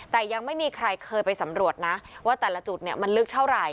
แต่ยังไม่มีใครเคยไปสำรวจนะว่าแต่ละจุดมันลึกเท่าไหร่